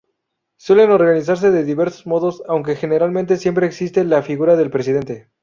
Suelen organizarse de diversos modos, aunque generalmente siempre existe la figura del presidente.